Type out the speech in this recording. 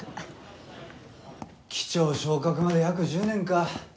機長昇格まで約１０年か。